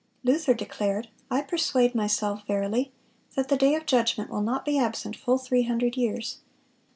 (470) Luther declared: "I persuade myself verily, that the day of judgment will not be absent full three hundred years.